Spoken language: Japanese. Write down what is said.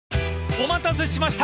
［お待たせしました。